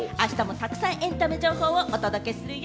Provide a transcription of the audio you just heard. あしたもたくさんエンタメ情報をお届けするよ。